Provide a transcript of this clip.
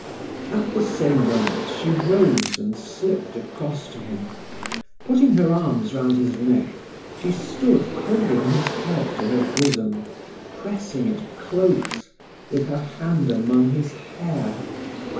At the same moment she rose and slipped across to him. Putting her arms round his neck, she stood holding his head to her bosom, pressing it close, with her hand among his hair.